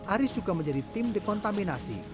aris juga menjadi tim dekontaminasi